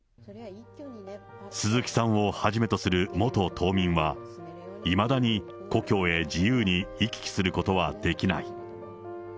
鈴木さんをはじめとする元島民は、いまだに故郷へ自由に行き来することはできない。